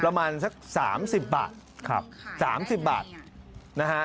ประมาณสัก๓๐บาทครับ๓๐บาทนะฮะ